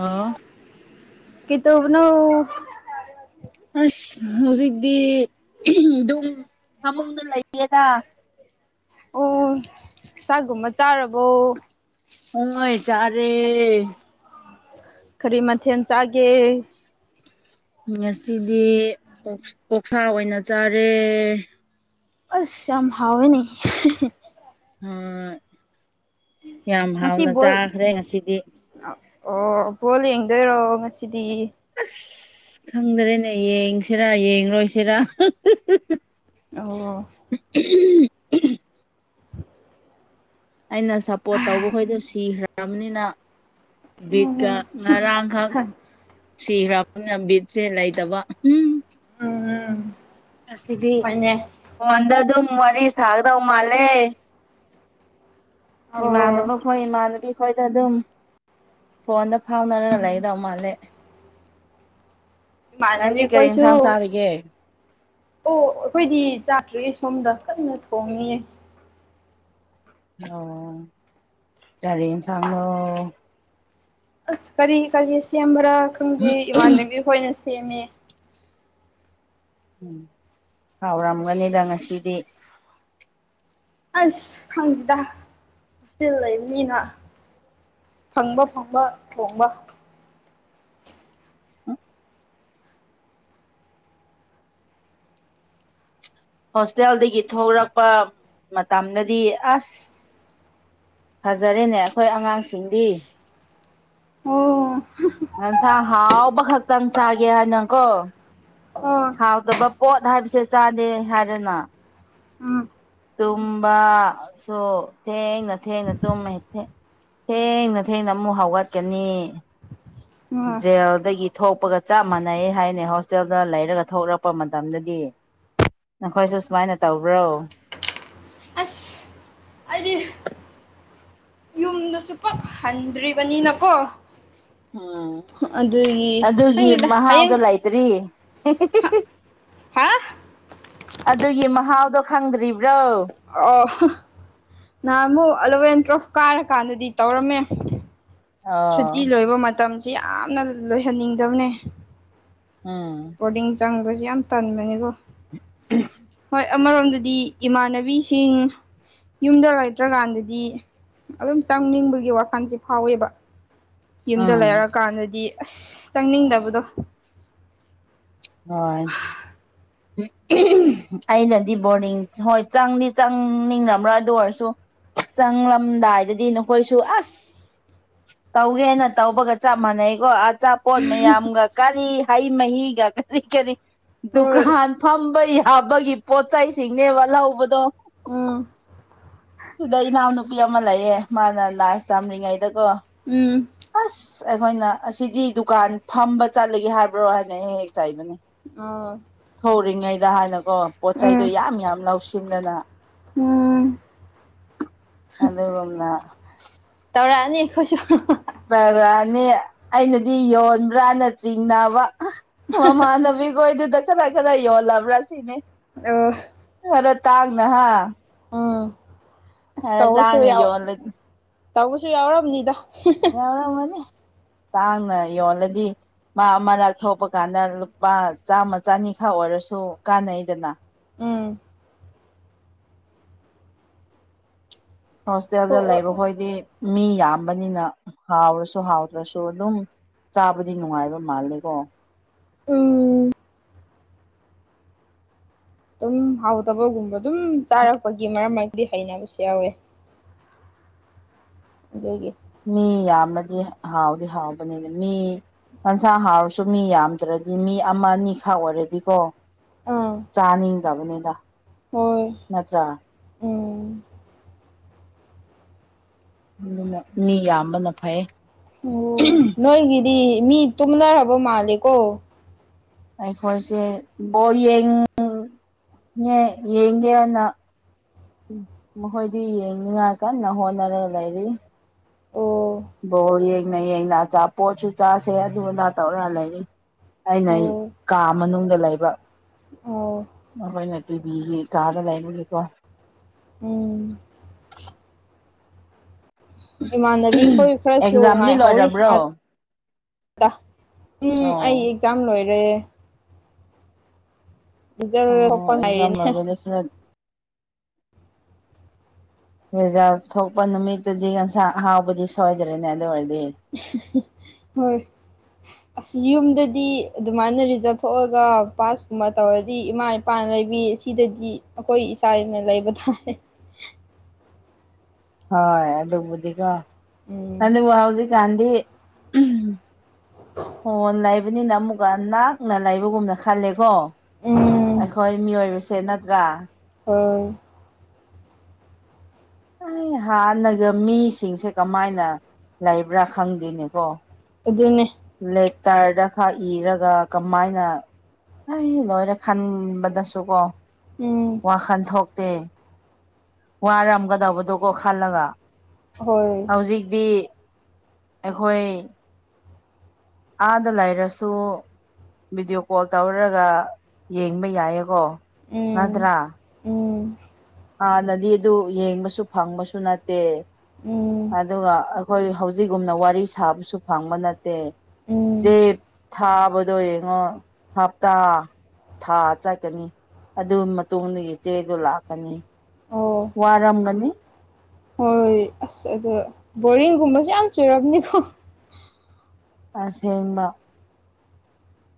ꯑꯣ ꯀꯩ ꯇꯧꯕꯅꯣ ꯑꯁ ꯍꯧꯖꯤꯛꯇꯤ ꯑꯗꯨꯝ ꯐꯃꯨꯡꯗ ꯂꯩꯌꯦꯗ ꯑꯣ ꯆꯥꯒꯨꯝꯃ ꯆꯥꯔꯕꯣ ꯄꯨꯉꯩ ꯆꯔꯦ ꯀꯔꯤ ꯃꯊꯦꯜ ꯆꯥꯒꯦ ꯉꯁꯤꯗꯤ ꯑꯣꯛꯁꯥ ꯑꯣꯏꯅ ꯆꯥꯔꯦ ꯑꯁ ꯌꯥꯝ ꯍꯥꯎꯋꯦꯅꯦ ꯎꯝ ꯌꯥꯝ ꯍꯥꯎꯅ ꯆꯥꯈ꯭ꯔꯦ ꯉꯁꯤꯗꯤ ꯑꯣꯕꯣ ꯌꯦꯦꯡꯗꯣꯏꯔꯣ ꯉꯁꯤꯗꯤ ꯑꯁ ꯈꯪꯗꯔꯦꯅꯦ ꯌꯦꯡꯁꯤꯔꯥ ꯌꯦꯡꯔ‌ꯣꯏꯁꯤꯔꯥ ꯑꯧ [unintelligible] ꯑꯩꯅ ꯁꯞꯄꯣꯔꯠ ꯇꯧꯕ ꯈꯣꯏꯗꯣ ꯁꯤꯈ꯭ꯔꯕꯅꯤꯅ ꯕꯤꯠ ꯀ ꯎꯝ ꯉꯔꯥꯡꯈ ꯁꯤ ꯒꯔꯝꯅꯤꯅ ꯕꯤꯠꯁꯦ ꯂꯩꯇꯕ ꯎꯝ ꯎꯝ ꯉꯁꯤꯗꯤ ꯍꯣꯏꯅꯦ ꯐ‌ꯣꯟꯗ ꯑꯗꯨꯝ ꯋꯥꯔꯤ ꯁꯥꯒꯗꯧ ꯃꯥꯜꯂꯦ ꯑꯣ ꯏꯃꯥꯅꯕ ꯑꯩꯈꯣꯏ ꯏꯃꯥꯟꯅꯕꯤ ꯈꯣꯏꯗ ꯑꯗꯨꯝ ꯐꯣꯟꯗ ꯐꯥꯎꯅꯔꯒ ꯂꯩꯒꯗꯧ ꯃꯥꯜꯂꯦ ꯃꯅꯕꯤ ꯅꯪꯗꯤ ꯀꯔꯤ ꯀꯣꯏꯁꯨ ꯏꯟꯁꯥꯡ ꯆꯥꯔꯤꯒꯦ ꯑꯣ ꯑꯩꯈꯣꯏꯗꯤ ꯆꯥꯇ꯭ꯔꯤꯌꯦ ꯁꯣꯝꯗ ꯀꯟꯅ ꯊꯣꯡꯉꯌꯦ ꯑꯣ ꯀꯔꯤ ꯏꯟꯁꯥꯡꯅꯣ ꯑꯁ ꯀꯔꯤ ꯀꯔꯤ ꯁꯦꯝꯕ꯭ꯔꯥ ꯈꯪꯗꯦ ꯏꯃꯥꯟꯅꯕꯤ ꯈꯣꯏꯅ ꯁꯦꯝꯃꯦ ꯎꯝ ꯍꯥꯎꯔꯝꯒꯅꯤꯗ ꯉꯁꯤꯗꯤ ꯑꯁ ꯈꯪꯗꯦꯗ ꯍꯣꯁꯇꯦꯜ ꯂꯩꯕ ꯃꯤꯅ ꯐꯪꯕ ꯐꯪꯕ ꯊꯣꯡꯕ ꯍꯣꯁꯇꯦꯜꯗꯒꯤ ꯊꯣꯛꯂꯛꯄ ꯃꯇꯝꯗꯗꯤ ꯑꯁ ꯐꯖꯔꯦꯅꯦ ꯑꯩꯈꯣꯏ ꯑꯉꯥꯡꯁꯤꯡꯗꯤ ꯑꯣ ꯍ‌ꯦꯟꯁꯥꯡ ꯍꯥꯎꯕ ꯈꯛꯇꯪ ꯆꯥꯒꯦ ꯍꯥꯏꯅ ꯀꯣ ꯑꯣ ꯍꯥꯎꯇꯕ ꯄꯣꯠ ꯍꯥꯏꯕꯁꯦ ꯆꯥꯗꯦ ꯍꯥꯏꯗꯅ ꯎꯝ ꯇꯨꯝꯕꯁꯨ ꯊꯦꯡꯅ ꯊꯦꯡꯅ ꯊꯨꯝꯃꯦ ꯊ‌ꯦꯡ ꯊꯦꯡꯅ ꯊꯦꯡꯅ ꯑꯃꯨꯛ ꯍꯧꯒꯠꯀꯅꯤ ꯎꯝ ꯖꯦꯜꯗꯒꯤ ꯊꯣꯛꯄꯒ ꯆꯞ ꯃꯥꯟꯅꯩꯌ‌ꯦ ꯍꯥꯏꯅꯦ ꯍꯣꯁꯇꯦꯜꯗ ꯂꯩꯔꯒ ꯊꯣꯛꯂꯛꯄ ꯃꯇꯝꯗꯗꯤ ꯅꯈꯣꯏꯁꯨ ꯁꯨꯃꯥꯏꯅ ꯇꯧꯕ꯭ꯔꯣ ꯑꯁ ꯑꯗꯨꯅꯤ ꯌꯨꯝꯗꯁꯨ ꯄꯛꯍꯟꯗ꯭ꯔꯤꯕꯅꯤꯅꯀꯣ ꯎꯝ ꯑꯗꯨꯒꯤ ꯈꯪꯗꯦꯗ ꯍꯌꯦꯡ ꯃꯍꯥꯎꯗ ꯂꯩꯥꯏ ꯀꯔꯤ ꯍꯥ [unintelligible] ꯑꯗꯨꯒꯤ ꯃꯍꯥꯎꯗꯣ ꯈꯪꯗ꯭ꯔꯤꯕ꯭ꯔꯣ ꯑꯣ ꯍ ꯅꯍꯥꯟꯃꯨꯛ ꯑꯂꯕꯦꯟ ꯇ꯭ꯔ‌ꯣꯐ ꯀꯥꯔꯀꯥꯟꯗꯗꯤ ꯇꯧꯔꯝꯃꯦ ꯑꯣ ꯁꯨꯇꯤ ꯂꯣꯏꯕ ꯃꯇꯝꯁꯤ ꯌꯥꯝꯅ ꯂꯣꯏꯍꯟꯅꯤꯡꯗꯕꯅꯦ ꯎꯝ ꯕꯣꯔꯗꯤꯡ ꯆꯪꯕꯁꯨ ꯌꯥꯝ ꯇꯟꯕꯅꯤꯀꯣ ꯍꯣꯏ ꯑꯃꯔꯣꯝꯗꯗꯤ ꯏꯃꯥꯟꯅꯕꯤꯁꯤꯡ ꯌꯨꯝꯗ ꯂꯩꯇ꯭ꯔꯀꯥꯟꯗꯗꯤ ꯑꯗꯨꯝ ꯆꯪꯅꯤꯡꯕꯒꯤ ꯋꯥꯈꯜꯁꯤꯦ ꯐꯥꯎꯋꯦꯕ ꯌꯨꯝꯗ ꯎꯝ ꯂꯩꯔꯛꯀꯥꯟꯗꯗꯤ ꯑꯁ ꯆꯪꯅꯤꯡꯗꯕꯗꯣ ꯍꯣꯏ ꯑꯩꯅꯗꯤ ꯕꯣꯔꯗꯤꯡ ꯍꯣꯏ ꯆꯪꯗꯤ ꯆꯪꯅꯤꯡꯕ꯭ꯔꯥ ꯑꯗꯨ ꯑꯣꯏꯔꯁꯨ ꯆꯪꯂꯝꯗꯥꯏꯗꯗꯤ ꯅꯈꯣꯏꯁꯨ ꯑꯁ ꯇꯧꯒꯦꯅ ꯇꯧꯕꯒ ꯆꯞ ꯃꯥꯟꯅꯩꯀꯣ ꯑꯥ ꯆꯞ ꯑꯀꯣ ꯃꯌꯥꯝꯒ ꯀꯔꯤ ꯍꯩ ꯃꯍꯤꯒ ꯀꯔꯤ ꯀꯔꯤ ꯍꯣꯏ ꯗꯨꯀꯥꯟ ꯐꯝꯕ ꯌꯥꯕꯒꯤ ꯄꯣꯠꯆꯁꯤꯡꯅꯦꯕ ꯂꯧꯕꯗꯣ ꯎꯝ ꯁꯤꯗ ꯏꯅꯥꯎꯅꯨꯄꯤ ꯑꯃ ꯂꯩꯌꯦ ꯃꯥꯅ ꯂꯥꯥꯁ ꯇꯝꯔꯤꯉꯩꯗꯀꯣ ꯎꯝ ꯑꯁ ꯑꯩꯈꯣꯏꯅ ꯑꯁꯤꯗꯤ ꯗꯨꯀꯥꯟ ꯐꯝꯕ ꯆꯠꯂꯒꯦ ꯍꯥꯏꯕ꯭ꯔꯣ ꯍꯥꯏꯅ ꯑꯩꯦꯛ ꯍꯦꯛ ꯆꯥꯏꯕꯅꯤ ꯑ ꯊꯔꯤꯉꯩꯗ ꯍꯥꯏꯅꯀꯣ ꯄꯣꯠ ꯆꯩꯗꯣ ꯌꯥꯝ ꯌꯥꯝ ꯂꯧꯁꯤꯟꯗꯅ ꯍꯣꯡ ꯑꯗꯥ ꯇꯧꯔꯛꯑꯅꯤ ꯑꯩꯈꯣꯏꯁꯨ ꯄꯔꯅꯤ ꯑꯩꯅꯗꯤ ꯌꯣꯟꯕ꯭ꯔꯅ ꯆꯤꯡꯅꯕ ꯃꯃꯥꯟꯅꯕꯤꯈꯣꯏꯗꯨꯗ ꯈꯔ ꯈꯔ ꯌꯣꯜꯂꯕ꯭ꯔꯥ ꯁꯤꯅꯦ ꯑ ꯍꯔ ꯇꯥꯒꯅ ꯍꯥ ꯎꯝ ꯑꯁ ꯈꯔ ꯇꯧꯕꯁꯨ ꯇꯥꯡꯅ ꯌꯥ ꯌꯣꯜꯂꯗꯤ ꯇꯧꯕꯁꯨ ꯌꯥꯎꯔꯕꯅꯤꯗ ꯌꯥꯔꯃꯅꯤ ꯇꯥꯡꯅ ꯌꯣꯜꯂꯗꯤ ꯃꯥ ꯑꯃ ꯂꯊꯣꯛꯄ ꯀꯥꯟꯗ ꯂꯨꯄꯥ ꯆꯥꯝꯃ ꯆꯅꯤꯈꯥ ꯑꯣꯏꯔꯁꯨ ꯀꯥꯟꯅꯩꯗꯅ ꯎꯝ ꯍꯣꯁꯇꯦꯜꯗ ꯍꯣꯏ ꯍꯣꯏ ꯂꯩꯕꯈꯣꯏꯗꯤ ꯃꯤ ꯌꯥꯝꯕꯅꯤꯅ ꯍꯥꯎꯔꯁꯨ ꯍꯥꯎꯗ꯭ꯔꯁꯨ ꯑꯗꯨꯝ ꯆꯥꯕꯗꯤ ꯅꯨꯡꯉꯥꯏꯕ ꯃꯥꯜꯂꯦꯀꯣ ꯎꯝ ꯑꯗꯨꯝ ꯍꯥꯎꯊꯕꯒꯨꯝꯕ ꯑꯗꯨꯝ ꯆꯥꯔꯛꯄꯒꯤ ꯃꯔꯝ ꯃꯔꯛꯇꯗꯤ ꯍꯩꯅꯕꯁꯨ ꯌꯥꯎꯋꯦ ꯑꯗꯨꯒꯤ ꯃꯤ ꯌꯥꯝꯃꯗꯤ ꯍꯥꯎꯗꯤ ꯍꯥꯎꯕꯅꯤꯅ ꯃꯤ ꯅꯟꯁꯥ ꯍꯥꯎꯔꯁꯨ ꯃꯤ ꯌꯥꯝꯗ꯭ꯔꯗꯤ ꯃꯤ ꯑꯃ ꯑꯅꯤꯈꯥ ꯑꯣꯏꯔꯗꯤꯀꯣ ꯑꯥ ꯆꯥꯅꯤꯡꯗꯕꯅꯤꯗ ꯍꯣꯏ ꯅꯠꯇ꯭ꯔꯥ ꯎꯝ ꯑꯗꯨꯅ ꯃꯤ ꯌꯥꯝꯕꯅ ꯐꯩ ꯑꯣ ꯅꯣꯏꯒꯤꯗꯤ ꯃꯤ ꯇꯨꯝꯅꯔꯕ ꯃꯥꯜꯂꯦꯀꯣ ꯑꯩꯈꯣꯏꯁꯦ ꯕꯣꯌꯦꯡ ꯌꯦ ꯌꯦꯒꯦꯅ ꯎ ꯃꯈꯣꯏꯗꯤ ꯌꯦꯡꯅꯤꯉꯥꯏ ꯀꯟꯅ ꯍꯣꯠꯅꯔꯒ ꯂꯩꯔꯤ ꯑꯣ ꯕꯣ ꯌꯦꯡꯅ ꯌꯦꯡꯅꯆꯥ ꯄꯣꯠꯁꯨ ꯆꯥꯁꯦ ꯑꯗꯨꯅ ꯇꯧꯔ ꯂꯩꯔꯤ ꯑꯩꯅ ꯑꯩ ꯑꯣ ꯀꯥ ꯃꯅꯨꯡꯗ ꯂꯩꯕ ꯑꯣ ꯑꯩꯈꯣꯏꯅ ꯇꯤꯚꯁꯤ ꯀꯥꯔ ꯂꯩꯕꯒꯤꯦꯀꯣ ꯎꯝ ꯏꯃꯥꯟꯅꯕꯤꯈꯣꯏ ꯈꯔꯁꯨ ꯑꯦꯛꯖꯥꯝꯗꯤ ꯉꯥꯏꯍꯧꯔꯤ ꯂꯣꯏꯔꯕ꯭ꯔꯣ ꯑ ꯎꯝ ꯑꯣ ꯑꯩ ꯑꯦꯛꯖꯥꯝ ꯂꯣꯏꯔꯦ ꯖ ꯑꯣ ꯑꯣꯄ ꯑꯦꯛꯖꯥꯝ ꯉꯅꯤ [inaudible] ꯔꯤꯖꯥ ꯊꯣꯛꯄ ꯅꯨꯃꯤꯠꯇꯗꯤ ꯉꯟꯁꯥꯡ ꯑꯍꯥꯎꯕꯗꯤ ꯁꯣꯏꯗ꯭ꯔꯦꯅꯦ ꯑꯗꯨ ꯑꯣꯏꯔꯗꯤ ꯍꯣꯏ ꯑꯁ ꯌꯨꯝꯗꯗꯤ ꯑꯗꯨꯃꯥꯏꯅ ꯔꯤꯖꯥꯕ ꯊꯣꯛꯑꯒ ꯄꯥꯁꯀꯨꯝꯕ ꯇꯧꯔꯗꯤ ꯏꯃꯥ ꯏꯄꯥ [unintelligible] ꯂꯩꯕꯤ ꯁꯤꯗꯗꯤ ꯑꯩꯈꯣꯏ ꯏꯆꯥꯅ ꯂꯩꯕ ꯇꯥꯔꯦ ꯍꯣꯏ ꯑꯗꯨꯕꯨꯗꯤꯀꯣ ꯎꯝ ꯑꯗꯨꯕꯨ ꯍꯧꯖꯤꯛꯀꯥꯟꯗꯤ ꯐꯣꯟ ꯂꯩꯕꯅꯤꯅ ꯑꯃꯨꯛꯀ ꯅꯥꯛꯅ ꯂꯩꯕꯒꯨꯝꯅ ꯈꯜꯂꯦꯀꯣ ꯎꯝ ꯑꯩꯈꯣꯏ ꯃꯤꯑꯣꯏꯕꯁꯦ ꯅꯠꯇ꯭ꯔꯥ [unintelligible] ꯑꯩ ꯍꯥꯟꯅꯒ ꯃꯤꯁꯤꯡꯁꯦ ꯀꯃꯥꯏꯅ ꯂꯩꯕ꯭ꯔꯥ ꯈꯪꯗꯦꯅꯤꯀꯣ ꯑꯗꯨꯅꯦ ꯂꯦꯇꯔꯗ ꯈꯔ ꯏꯔꯒ ꯀꯃꯥꯏꯅ ꯑꯩ ꯂꯣꯏꯔꯦ ꯈꯟꯕꯗꯁꯨ ꯀꯣ ꯎꯝ ꯋꯥꯈꯜ ꯊꯣꯛꯇꯦ ꯋꯥꯔꯝꯒꯗꯕꯗꯨ ꯀꯣ ꯈꯜꯂꯒ ꯍꯣꯏ ꯍꯧꯖꯤꯛꯇꯤ ꯑꯩꯈꯣꯏ ꯑꯥꯗ ꯂꯩꯔꯁꯨ ꯚꯤꯗꯤꯑꯣ ꯀꯣꯜ ꯇꯧꯔꯒ ꯌꯦꯡꯕ ꯌꯥꯏꯌꯦꯀꯣ ꯎꯝ ꯅꯇ꯭ꯔꯥ ꯎꯝ ꯍꯥꯟꯅꯗꯤ ꯑꯗꯨ ꯌꯦꯡꯕꯁꯨ ꯐꯪꯕꯁꯨ ꯅꯠꯇꯦ ꯎꯝ ꯑꯗꯨꯒ ꯑꯩꯈꯣꯏ ꯍꯧꯖꯤꯛꯒꯨꯝꯅ ꯋꯥꯔꯤ ꯁꯥꯕꯁꯨ ꯐꯪꯕ ꯅꯠꯇꯦ ꯆꯦ ꯎꯝ ꯊꯥꯕꯗꯣ ꯌꯦꯡꯉꯣ ꯍꯞꯇꯥ ꯊꯥ ꯆꯠꯀꯅꯤ ꯑꯗꯨꯒꯤ ꯃꯇꯨꯡꯗꯒꯤ ꯏ ꯆꯦꯗꯣ ꯂꯥꯛꯀꯅꯤ ꯑꯣ ꯋꯥꯔꯝꯒꯅꯤ ꯍꯣꯏ ꯑꯁ ꯑꯗꯣ ꯕꯣꯔꯤꯡꯒꯨꯝꯕꯁꯨ ꯌꯥꯝ ꯆꯨꯔꯝꯅꯤꯀꯣ ꯑꯁꯦꯡꯕ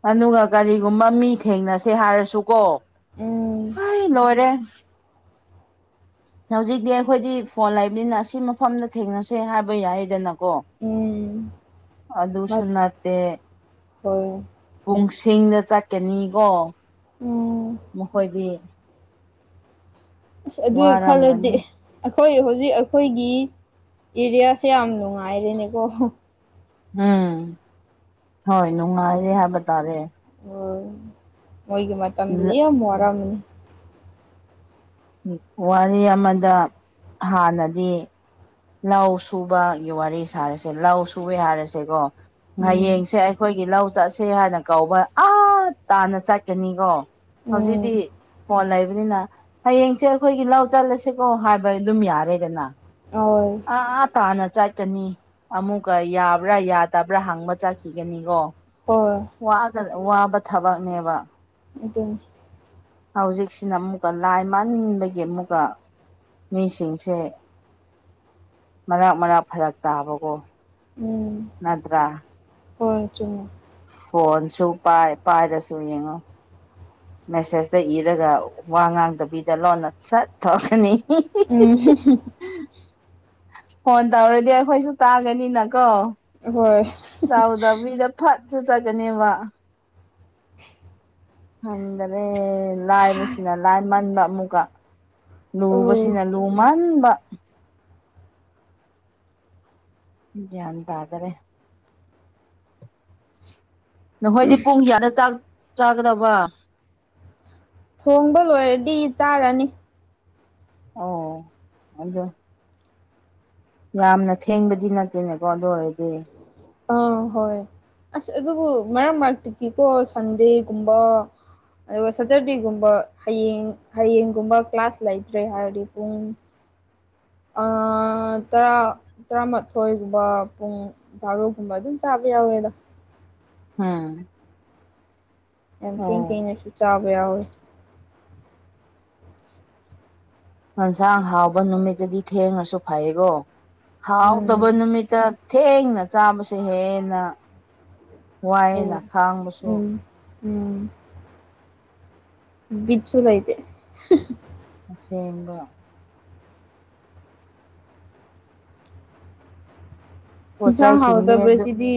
ꯑꯗꯨꯒ ꯀꯔꯤꯒꯨꯝꯕ ꯃꯤ ꯊꯦꯡꯅꯁꯦ ꯍꯥꯏꯔꯁꯨꯀꯣ ꯎꯝ ꯍꯣꯏ ꯂꯣꯏꯔꯦ ꯍꯧꯖꯤꯛꯇꯤ ꯑꯩꯈꯣꯏꯗꯤ ꯐꯣꯟ ꯂꯩꯕꯅꯤꯅ ꯑꯁꯤ ꯃꯐꯝꯗ ꯊꯦꯡꯅꯁꯦ ꯍꯥꯏꯕ ꯌꯥꯏꯗꯅꯀꯣ ꯎꯝ ꯑꯗꯨꯁꯨ ꯅꯠꯇꯦ ꯍꯣꯏ ꯄꯨꯡꯁꯤꯡꯗ ꯆꯠꯀꯅꯤꯀꯣ ꯎꯝ ꯃꯈꯣꯏꯗꯤ ꯑꯁ ꯑꯗꯨꯒꯤ ꯈꯜꯂꯗꯤ ꯋꯥꯔꯝꯒꯅꯤ ꯑꯩꯈꯣꯏ ꯍꯧꯖꯤꯛ ꯑꯩꯈꯣꯏꯒꯤ ꯑꯦꯔꯤꯌꯥꯁꯦ ꯌꯥꯝ ꯅꯨꯡꯉꯥꯏꯔꯦꯅꯦꯀꯣ ꯎꯝ ꯍꯣꯏ ꯅꯨꯡꯉꯥꯏꯔꯦ ꯍꯥꯏꯕ ꯇꯥꯔꯦ ꯑꯣ ꯃꯣꯏꯒꯤ ꯃꯇꯝꯗꯗꯤ ꯌꯥꯝ ꯋꯥꯔꯝꯅꯤ ꯋꯥꯔꯤ ꯑꯃꯗ ꯍꯥꯟꯅꯗꯤ ꯂꯧ ꯁꯨꯕꯒꯤ ꯋꯥꯔꯤ ꯁꯥꯔꯁꯦ ꯂꯧ ꯁꯨꯕꯩ ꯍꯥꯏꯔꯁꯦꯀꯣ ꯎꯝ ꯍꯌꯦꯡꯁꯦ ꯑꯩ ꯑꯩꯈꯣꯏꯒꯤ ꯂꯧ ꯆꯠꯁꯦ ꯍꯥꯏꯅ ꯀꯧꯕ ꯑꯥ ꯇꯥꯅ ꯆꯠꯀꯅꯤꯀꯣ ꯍꯧꯖꯤꯛꯗꯤ ꯎꯝ ꯐꯣꯟ ꯂꯩꯕꯅꯤꯅ ꯍꯌꯦꯡꯁꯦ ꯑꯩꯈꯣꯏꯒꯤ ꯂꯧ ꯆꯠꯂꯁꯤꯀꯣ ꯍꯥꯏꯕ ꯑꯗꯨꯝ ꯌꯥꯔꯦꯗꯅ ꯑꯣ ꯑꯥ ꯇꯥꯅ ꯆꯠꯀꯅꯤ ꯑꯃꯨꯛꯀ ꯌꯥꯕ꯭ꯔꯥ ꯌꯥꯗꯕ꯭ꯔꯥ ꯍꯪꯕ ꯆꯠꯈꯤꯒꯅꯤꯀꯣ ꯍꯣꯏ ꯋꯥꯕ ꯊꯕꯛꯅꯦꯕ ꯑꯗꯨꯅꯤ ꯍꯧꯖꯤꯛꯁꯤꯅ ꯑꯃꯨꯛꯀ ꯂꯥꯏ ꯃꯟꯕꯒꯤ ꯑꯃꯨꯛꯀ ꯃꯤꯁꯤꯡꯁꯦ ꯃꯔꯛ ꯃꯔꯛ ꯐꯔꯛ ꯇꯥꯕꯀꯣ ꯎꯝ ꯅꯠꯇ꯭ꯔꯥ ꯍꯣꯏ ꯆꯨꯝ ꯐꯣꯟꯁꯨ ꯄꯥꯏ ꯄꯥꯏꯔꯁꯨ ꯌꯦꯡꯉꯣ ꯃꯦꯁꯦꯖꯇ ꯏꯔꯒ ꯋꯥ ꯉꯥꯡꯗꯕꯤꯗ ꯂꯣꯟꯅ ꯁꯠ ꯊꯣꯛꯀꯅꯤ [unintelligible] ꯎꯝ [unintelligible] [unintelligible] ꯐꯣꯟ ꯇꯧꯔꯗꯤ ꯑꯩꯈꯣꯏꯁꯨ ꯇꯥꯒꯅꯤꯅꯀꯣ ꯍꯣꯏ [unintelligible] ꯍꯟꯒꯅꯦ ꯂꯥꯏꯕꯁꯤꯅ ꯂꯥꯏ ꯃꯟꯕ ꯑꯃꯨꯛꯀ ꯎꯝ ꯂꯨꯕꯁꯤꯅ ꯂꯨꯃꯟꯕ ꯒ꯭ꯔꯤꯟ ꯇꯥꯗꯔꯦ ꯅꯈꯣꯏꯗꯤ ꯄꯨꯡ ꯀꯌꯥꯗꯥ ꯆꯥꯛ ꯆꯥꯒꯗꯕ ꯊꯣꯡꯕ ꯂꯣꯏꯔꯗꯤ ꯆꯥꯔꯅꯤ ꯑꯣ ꯑꯗꯣ ꯌꯥꯝꯅ ꯊꯦꯡꯕꯗꯤ ꯅꯠꯇꯦꯅꯦꯀꯣ ꯑꯗꯨ ꯑꯣꯏꯔꯗꯤ ꯑꯥ ꯍꯣꯏ ꯑꯁ ꯑꯗꯨꯕꯨ ꯃꯔꯛ ꯃꯔꯛꯇꯒꯤꯀꯣ ꯁꯟꯗꯦꯒꯨꯝꯕ ꯑꯗꯨꯒ ꯁꯇꯔꯗꯦꯒꯨꯝꯕ ꯍꯌꯦꯡ ꯍꯌꯦꯡꯒꯨꯝꯕ ꯀ꯭ꯂꯥꯁ ꯂꯩꯇ꯭ꯔꯦ ꯍꯥꯏꯔꯗꯤ ꯄꯨꯡ ꯑ ꯇꯥꯔ ꯇꯔꯥꯃꯥꯊꯣꯏꯒꯨꯝꯕ ꯄꯨꯡ ꯕꯥꯔꯣꯒꯨꯝꯕ ꯑꯗꯨꯝ ꯆꯥꯕ ꯌꯥꯎꯋꯦꯗ ꯎꯝ ꯌꯥꯝ ꯊꯦꯡ ꯑꯣ ꯊꯦꯡꯅꯁꯨ ꯆꯥꯕ ꯌꯥꯎꯋꯦ [inaudible] ꯌꯦꯟꯁꯥꯡ ꯍꯥꯎꯕ ꯅꯨꯃꯤꯠꯇꯗꯤ ꯊꯦꯡꯉꯁꯨ ꯐꯩꯌꯦꯀꯣ ꯍꯥꯎꯇꯕ ꯎꯝ ꯅꯨꯃꯤꯠꯇ ꯊꯦꯡꯅ ꯆꯥꯕꯁꯦ ꯍꯦꯟꯅ ꯋꯥꯏꯅ ꯍꯣꯏ ꯈꯥꯡꯕꯁꯨ ꯎꯝ ꯎꯝ ꯕꯤꯠꯁꯨ ꯂꯩꯇꯦ ꯑꯁ ꯑꯁꯦꯡꯕ ꯄꯣꯠ ꯏꯟꯖꯥꯡ ꯆꯩꯁꯤꯡꯗꯤ ꯑꯗꯨ ꯍꯥꯎꯇꯕꯁꯤꯗꯤ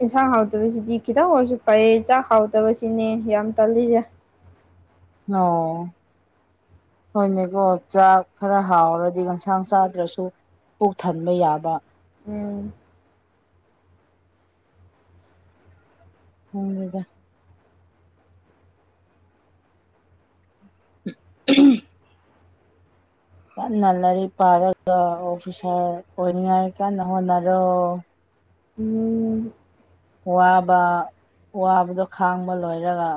ꯌꯦꯟꯁꯥꯡ ꯍꯥꯎꯇꯕꯁꯤꯗꯤ ꯈꯤꯇꯪ ꯑꯣꯏꯔꯁꯨ ꯐꯩꯌꯦ ꯆꯥꯛ ꯍꯥꯎꯇꯕꯁꯤꯅꯦ ꯌꯥꯝ ꯇꯜꯂꯤꯁꯦ [inaudible] ꯍꯣꯏꯅꯦꯀꯣ ꯆꯥꯛ ꯈꯔ ꯍꯥꯎꯔꯗꯤ ꯌꯦꯟꯁꯥꯡ ꯆꯥꯗ꯭ꯔꯁꯨ ꯄꯨꯣꯛ ꯊꯟꯕ ꯌꯥꯕ ꯎꯝ [inaudible] [inaudible] ꯀꯟꯅ ꯂꯥꯏꯔꯤꯛ ꯄꯥꯔꯒ ꯑꯣꯐꯤꯁꯥꯔ ꯑꯣꯏꯅꯤꯡꯉꯥꯏ ꯀꯟꯅ ꯍꯣꯠꯅꯔꯣ ꯎꯝ ꯋꯥꯕ ꯋꯥꯕꯗꯣ ꯈꯥꯡꯕ ꯂꯣꯏꯔꯒ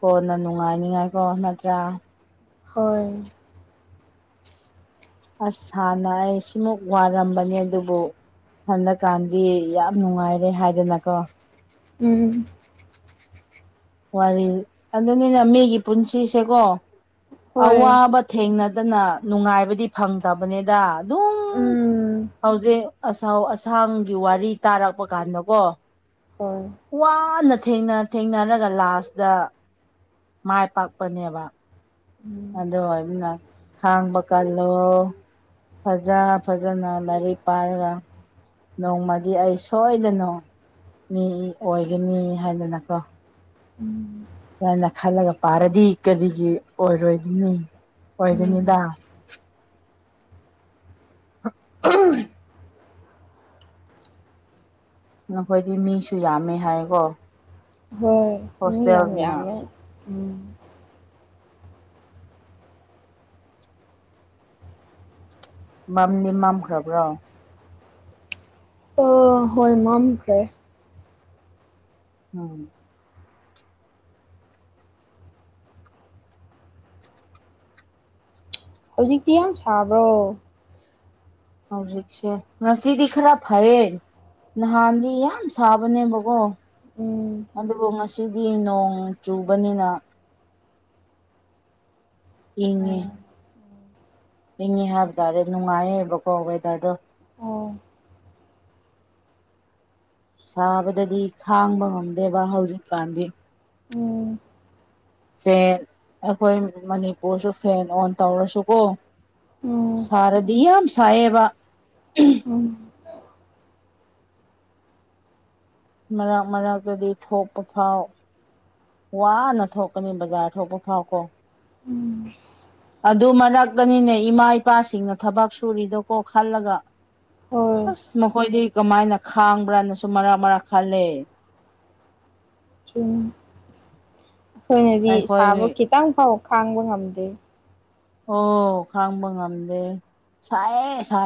ꯀꯣꯟꯅ ꯅꯨꯡꯉꯥꯏꯅꯤꯉꯥꯏꯀꯣ ꯅꯠꯇ꯭ꯔꯥ ꯍꯣꯏ ꯑꯁ ꯍꯥꯟꯅ ꯑꯩ ꯁꯤꯃꯨꯛ ꯋꯥꯔꯝꯕꯅꯦ ꯑꯗꯨꯕꯨ ꯍꯟꯗꯛꯀꯥꯟꯗꯤ ꯌꯥꯝ ꯅꯨꯡꯉꯥꯏꯔꯦ ꯍꯥꯏꯗꯅꯀꯣ ꯎꯝ ꯋꯥꯔꯤ ꯑꯗꯨꯅꯤꯅ ꯃꯤꯒꯤ ꯄꯨꯟꯁꯤꯁꯦꯀꯣ ꯍꯣꯏ ꯑꯋꯥꯕ ꯊꯦꯡꯅꯗꯅ ꯅꯨꯡꯉꯥꯏꯕꯗꯤ ꯐꯪꯗꯕꯅꯤꯗ ꯑꯗꯨꯝ ꯎꯝ ꯍꯧꯖꯤꯛ ꯑꯁꯥꯎ ꯑꯁꯥꯡꯒꯤ ꯋꯥꯔꯤ ꯇꯥꯔꯛꯄ ꯀꯥꯟꯗꯀꯣ ꯍꯣꯏ ꯋꯥꯅ ꯊꯦꯡꯅ ꯊꯦꯡꯅꯔꯒ ꯂꯥꯁꯇ ꯃꯥꯏ ꯄꯥꯛꯄꯅꯦꯕ ꯎꯝ ꯑꯗꯨ ꯑꯣꯏꯕꯅ ꯈꯥꯡꯕ ꯀꯜꯂꯣ ꯐꯖ ꯐꯖꯅ ꯂꯥꯏꯔꯤꯛ ꯄꯥꯔꯒ ꯅꯣꯡꯃꯗꯤ ꯑꯩ ꯁꯣꯏꯗꯅ ꯃꯤ ꯑꯣꯏꯒꯅꯤ ꯍꯥꯏꯗꯅꯀꯣ ꯎꯝ ꯁꯝꯅ ꯈꯜꯂꯒ ꯄꯥꯔꯗꯤ ꯀꯔꯤꯒꯤ ꯑꯣꯏꯔꯣꯏꯅꯤ ꯎꯝ ꯑꯣꯏꯒꯅꯤꯗ [inaudible] ꯅꯈꯣꯏꯗꯤ ꯃꯤꯁꯨ ꯌꯥꯝꯃꯦ ꯍꯥꯏꯀꯣ ꯍꯣꯏ ꯃꯤ ꯌꯥꯝ ꯍꯣꯁꯇꯦꯜꯗꯨꯅ ꯌꯥꯝꯃꯦ ꯎꯝ ꯃꯝꯅꯤ ꯃꯝꯈ꯭ꯔꯕ꯭ꯔꯣ ꯑ ꯍꯣꯏ ꯃꯝꯈ꯭ꯔꯦ ꯎꯝ ꯍꯧꯖꯤꯛꯇꯤ ꯌꯥꯝ ꯁꯥꯕ꯭ꯔꯣ ꯍꯧꯖꯤꯛꯁꯦ ꯉꯁꯤꯗꯤ ꯈꯔ ꯐꯩꯌꯦ ꯅꯍꯥꯟꯗꯤ ꯌꯥꯝ ꯁꯥꯕꯅꯦꯕꯀꯣ ꯎꯝ ꯑꯗꯨꯕꯨ ꯉꯁꯤꯗꯤ ꯅꯣꯡ ꯆꯨꯕꯅꯤꯅ ꯏꯉ ꯎꯝ ꯂꯤꯡꯉꯦ ꯍꯥꯏꯕ ꯇꯔꯦ ꯅꯨꯡꯉꯥꯏꯌꯦꯕꯀꯣ ꯋꯦꯗꯔꯗꯣ ꯑꯣ ꯁꯥꯕꯗꯗꯤ ꯈꯥꯡꯕ ꯉꯝꯗꯦꯕ ꯍꯧꯖꯤꯛꯀꯥꯟꯗꯤ ꯎꯝ ꯐꯦꯟ ꯑꯩꯈꯣꯏ ꯃꯅꯤꯄꯨꯔꯁꯨ ꯐꯦꯟ ꯑꯣꯟ ꯇꯧꯔꯁꯨꯀꯣ ꯎꯝ ꯁꯔꯗꯌꯥ ꯁꯥ ꯑꯦ ꯎꯝ ꯃꯔꯛ ꯃꯔꯛꯇꯗꯤ ꯊꯣꯛꯄ ꯐꯥꯎ ꯋꯥꯅ ꯊꯣꯛꯀꯅꯤ ꯕꯖꯥꯔ ꯊꯣꯛꯄ ꯐꯥꯎ ꯀꯣ ꯎꯝ ꯑꯗꯨ ꯃꯔꯛꯇꯅꯤꯅꯦ ꯏꯃꯥ ꯏꯄꯥꯁꯤꯡꯅ ꯊꯕꯛ ꯁꯨꯔꯤꯗꯣꯀꯣ ꯈꯜꯂꯒ ꯍꯣꯏ ꯑꯁ ꯃꯈꯣꯏꯗꯤ ꯀꯃꯥꯏꯅ ꯈꯥꯡꯕ꯭ꯔꯥꯅꯁꯨ ꯃꯔꯛ ꯃꯔꯥꯛ ꯈꯜꯂꯦ ꯑꯩꯈꯣꯏꯅꯗꯤ ꯑꯩꯈꯣꯏ ꯁꯥꯕ ꯈꯤꯇꯪ ꯐꯥꯎ ꯈꯥꯡꯕ ꯉꯝꯗꯦ ꯑꯣ ꯈꯥꯡꯕ ꯉꯝꯗꯦ ꯁꯥꯏ ꯁꯥꯏ